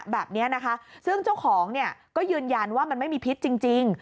แบบนี้นะคะซึ่งเจ้าของเนี่ยก็ยืนยันว่ามันไม่มีพิษจริง